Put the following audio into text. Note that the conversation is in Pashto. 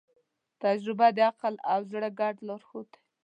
تجربه د عقل او زړه ګډ لارښود دی.